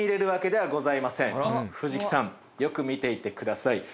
藤木さんよく見ていてください。